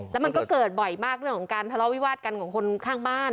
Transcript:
แล้วมันก็เกิดบ่อยมากเรื่องของการทะเลาะวิวาสกันของคนข้างบ้าน